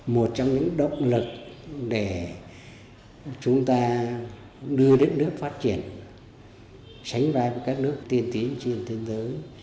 một trong những động lực để chúng ta đưa đất nước phát triển sánh vai với các nước tiên tiến trên thế giới